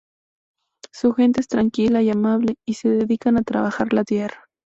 Su gente es tranquila y amable y se dedican a trabajar la tierra.